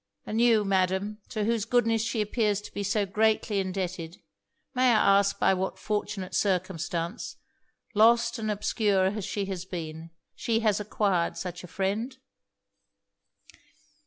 And you, Madam, to whose goodness she appears to be so greatly indebted may I ask by what fortunate circumstance, lost and obscure as she has been, she has acquired such a friend?'